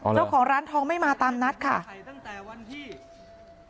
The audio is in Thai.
เจ้าของร้านทองไม่มาตามนัดค่ะไปตั้งแต่วันที่